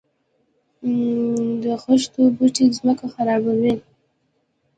د خښتو بټۍ ځمکه خرابوي؟